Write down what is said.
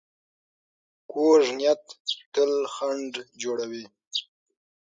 کوږ نیت تل خنډ جوړوي